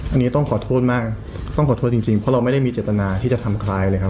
อันนี้ต้องขอโทษมากต้องขอโทษจริงเพราะเราไม่ได้มีเจตนาที่จะทำคลายเลยครับ